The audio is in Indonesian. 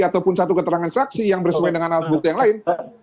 ataupun satu keterangan saksi yang bersemen dengan alat bukti yang lain